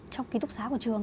trong ký túc xá của trường